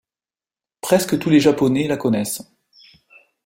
Presque tous les Japonais la connaissent.